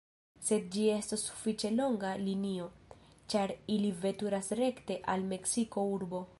Sed ĝi estos sufiĉe longa linio, ĉar ili veturas rekte al Meksiko-urbo.